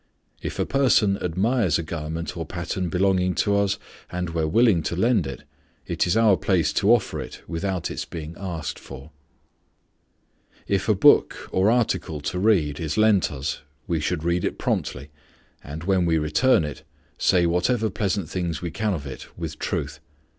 If a person admires a garment or pattern belonging to us, and we are willing to lend it, it is our place to offer it without its being asked for. If a book or article to read is lent us, we should read it promptly, and when we return it say whatever pleasant things we can of it with truth.